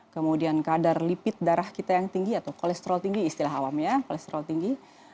kemudian kadar lipit darah kita yang tinggi atau kolesterol tinggi istilah awamnya kolesterol tinggi